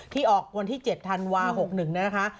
ที่ออกวันที่๗ธันวาธ์๖๑นะคะ